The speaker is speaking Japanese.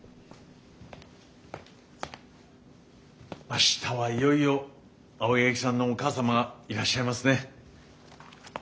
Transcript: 明日はいよいよ青柳さんのお母様がいらっしゃいますね。